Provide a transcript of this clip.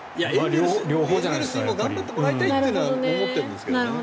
エンゼルスにも頑張ってもらいたいとは思ってるんですけどね。